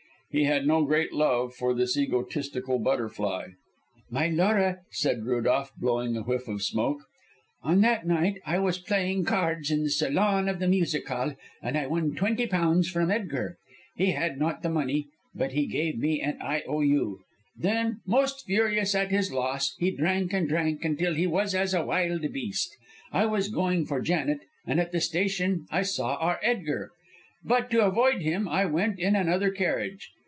He had no great love for this egotistical butterfly. "My Laura," said Rudolph, blowing a whiff of smoke, "on that night I was playing cards in the salon of the music hall, and I won twenty pounds from Edgar. He had not the money, but he gave me an 'I O U.' Then, most furious at his loss, he drank and drank till he was as a wild beast. I was going for Janet, and at the station I saw our Edgar; but to avoid him I went in another carriage.